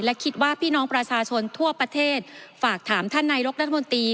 และคิดว่าพี่น้องประชาชนทั่วประเทศฝากถามท่านนายกรัฐมนตรี